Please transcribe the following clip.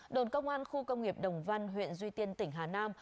đồn công an khu công nghiệp đồng văn huyện duy tiên tỉnh hà nam